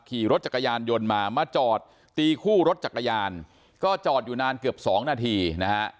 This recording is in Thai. ขี่รถจักรยานยนต์มามาจอดตีคู่รถจักรยานก็จอดอยู่นานเกือบสองนาทีนะฮะ